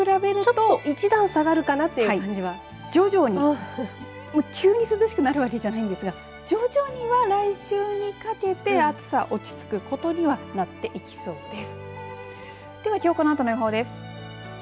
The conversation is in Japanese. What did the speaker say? ちょっと一段下がるかなという感じは徐々に急に涼しくなるわけじゃないんですが徐々には来週にかけて暑さ落ち着くことにはなっていきそうです。